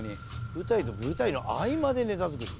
「舞台と舞台の合間でネタ作り」